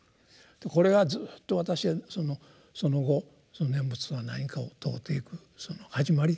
これがずっと私はその後念仏とは何かを問うていくその始まりですね。